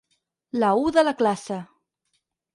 La u de la classe.